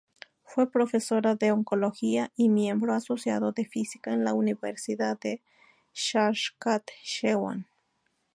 Fue profesora de oncología y miembro asociado de física en la Universidad de Saskatchewan.